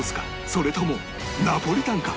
それともナポリタンか？